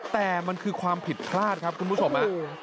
แต่มันคือความผิดพลาดครับคุณผู้ชม